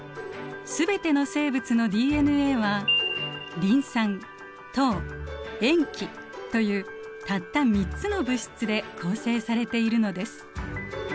全ての生物のＤＮＡはリン酸糖塩基というたった３つの物質で構成されているのです。